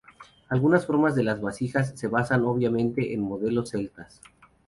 Algunas formas de las vasijas se basan obviamente en modelos celtas.